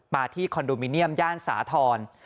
ที่คอนโดมิเนียมย่านสาธรณ์